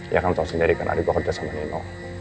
ya kan tau sendiri kan adik gue kerja sama nino